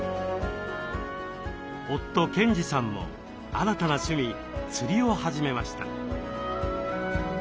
夫・賢治さんも新たな趣味釣りを始めました。